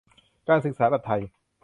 การศึกษาแบบไทย